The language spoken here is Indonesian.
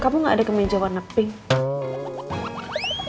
kamu gak ada kemeja warna pink